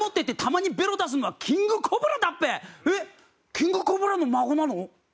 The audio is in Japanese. キングコブラの孫なの？